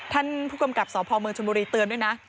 ท่านผู้กำกับสพเมืองชนบุรีเตือนด้วยนะ